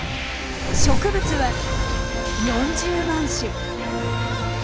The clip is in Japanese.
植物は４０万種。